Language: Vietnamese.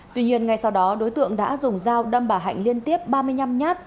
tuy nhiên ngay sau đó đối tượng đã dùng dao đâm bà hạnh liên tiếp ba mươi năm nhát